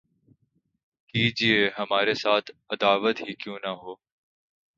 کیجئے ہمارے ساتھ‘ عداوت ہی کیوں نہ ہو